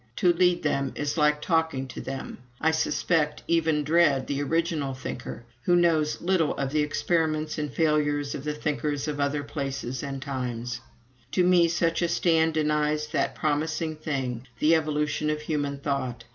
To lead them is like talking to them. I suspect, even dread, the "original thinker" who knows little of the experiments and failures of the thinkers of other places and times. To me such a stand denies that promising thing, the evolution of human thought.